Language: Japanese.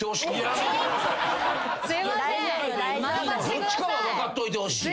どっちかは分かっといてほしい。